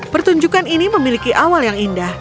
pertunjukan ini memiliki awal yang indah